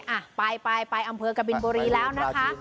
อ่ะไปไปอำเภอกบินบุรีแล้วนะคะ